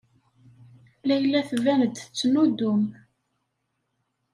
Layla tban-d tettnuddum.